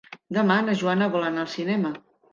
Demà na Joana vol anar al cinema.